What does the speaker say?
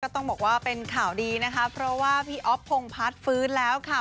ต้องบอกว่าเป็นข่าวดีนะคะเพราะว่าพี่อ๊อฟพงพัฒน์ฟื้นแล้วค่ะ